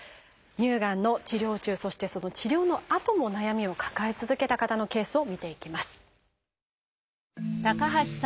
乳がんの治療中そしてその治療のあとも悩みを抱え続けた方のケースを見ていきます。